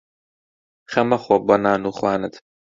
خەم مەخۆ بۆ نان و خوانت